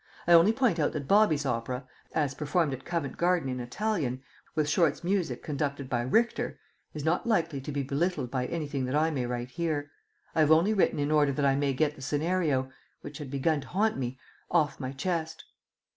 I only point out that Bobby's opera, as performed at Covent Garden in Italian, with Short's music conducted by Richter, is not likely to be belittled by anything that I may write here. I have only written in order that I may get the scenario which had begun to haunt me off my chest.